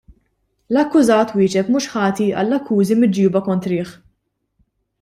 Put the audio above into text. L-akkużat wieġeb mhux ħati tal-akkużi miġjuba kontrih.